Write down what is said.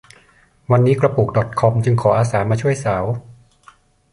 วันนี้กระปุกดอทคอมจึงขออาสามาช่วยสาว